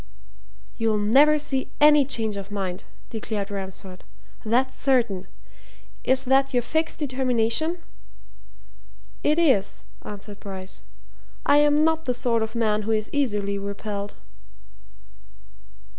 "You'll never see any change of mind," declared Ransford. "That's certain. Is that your fixed determination?" "It is," answered Bryce. "I'm not the sort of man who is easily repelled."